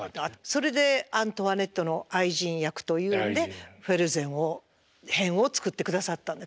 それでアントワネットの愛人役というんでフェルゼン編を作ってくださったんで歌劇団が。